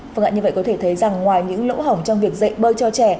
phương ạ như vậy có thể thấy rằng ngoài những lỗ hỏng trong việc dạy bơi cho trẻ